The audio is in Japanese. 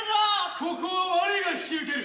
ここはわれが引き受ける。